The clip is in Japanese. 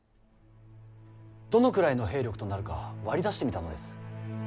どのくらいの兵力となるか割り出してみたのです。